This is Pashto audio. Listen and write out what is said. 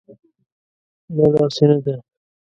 نه، داسې نه ده.